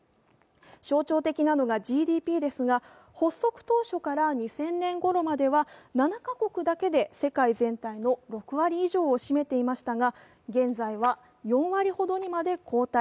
象徴的なのがＧＤＰですが発足当初から２０００年ごろまでは、７か国だけで世界全体の６割以上を占めていましたが、現在は４割ほどにまで後退。